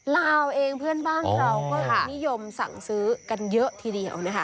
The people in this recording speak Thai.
ลาวเองเพื่อนบ้านเราก็นิยมสั่งซื้อกันเยอะทีเดียวนะคะ